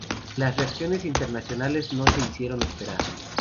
Las reacciones internacionales no se hicieron esperar.